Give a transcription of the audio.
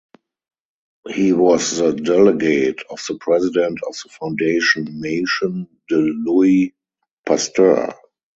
He was the delegate of the president of the foundation Maison de Louis Pasteur.